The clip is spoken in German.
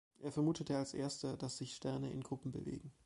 Er vermutete als Erster, dass sich Sterne in Gruppen bewegen.